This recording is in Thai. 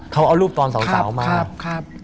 เขาเอารูปตอนสาวมาครับ